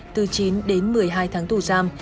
từ chín đến một mươi hai tháng tù giam